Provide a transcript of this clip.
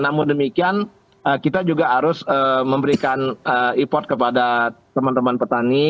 namun demikian kita juga harus memberikan import kepada teman teman petani